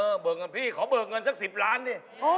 เบิกเงินพี่ขอเบิกเงินสัก๑๐ล้านดิ